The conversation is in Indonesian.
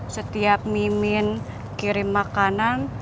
setiap mimin kirim makanan